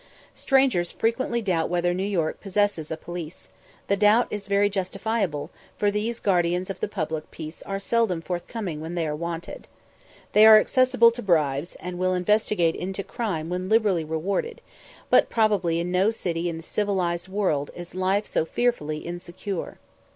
Strangers frequently doubt whether New York possesses a police; the doubt is very justifiable, for these guardians of the public peace are seldom forthcoming when they are wanted. They are accessible to bribes, and will investigate into crime when liberally rewarded; but probably in no city in the civilised world is life so fearfully insecure.